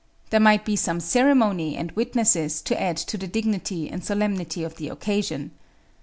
There might be some ceremony and witnesses to add to the dignity and solemnity of the occasion.